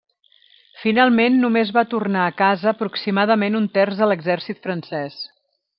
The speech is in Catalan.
Finalment només va tornar a casa aproximadament un terç de l'exèrcit francès.